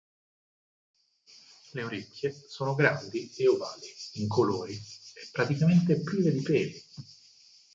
Le orecchie sono grandi e ovali, incolori e praticamente prive di peli.